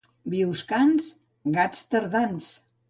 Bioscans, gats tardans.